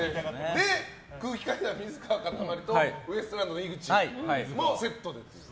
で、空気階段の水川かたまりとウエストランドの井口もセットで。